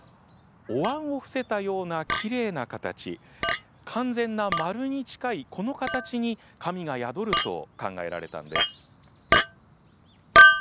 おわんを伏せたようなきれいな形、完全な丸に近い、この形に神が宿ると考えられたんです。